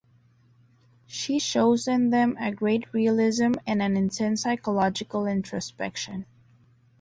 She shows in them a great realism and an intense psychological introspection.